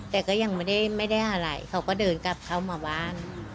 แต่ก็ยังไม่ได้อะไรเขาก็เดินกลับเข้ามาบ้าน